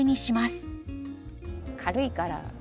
軽いから。